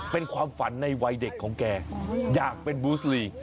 เป็นความฝันในวัยเด็กของแกอยากเป็นบูสลี